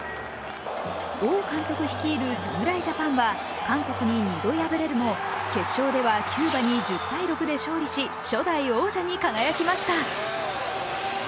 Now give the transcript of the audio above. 王監督率いる侍ジャパンは韓国に２度敗れるも決勝ではキューバに１０−６で勝利し、初代王者に輝きました。